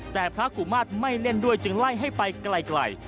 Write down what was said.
แต่พระกุมาตรไม่เล่นด้วยจึงไล่ให้ไปไกล